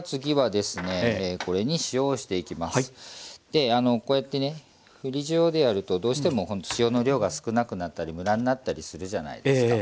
であのこうやってね振り塩でやるとどうしてもほんと塩の量が少なくなったりムラになったりするじゃないですか。